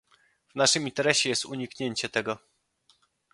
W naszym interesie jest uniknięcie tego